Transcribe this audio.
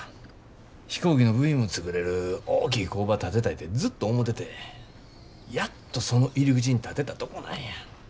飛行機の部品も作れる大きい工場建てたいてずっと思ててやっとその入り口に立てたとこなんや。